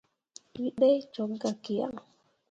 Wǝ ɗee cok gah ki yan.